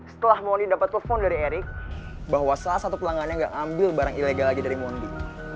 setelah mondi dapet telepon dari erik bahwa salah satu pelanggannya ga ambil barang ilegal lagi dari mondi